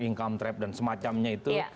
income trap dan semacamnya itu